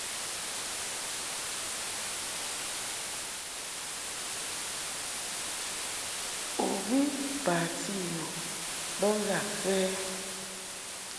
U bi mbati yu bə ŋgâ kə ɛ?